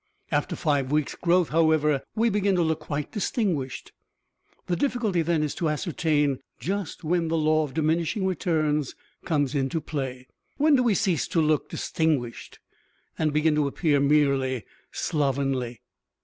After five weeks' growth, however, we begin to look quite distinguished. The difficulty then is to ascertain just when the law of diminishing returns comes into play. When do we cease to look distinguished and begin to appear merely slovenly?